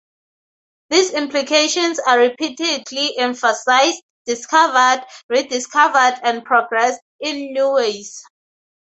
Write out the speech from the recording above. These implications are repeatedly emphasized, discovered, rediscovered, and progressed in new ways.